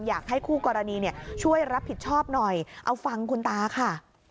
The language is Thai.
อยากให้คู่กรณีช่วยรับผิดชอบหน่อยเอาฟังคุณตาค่ะ